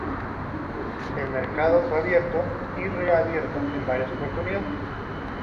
El mercado fue abierto y reabierto en varias oportunidades.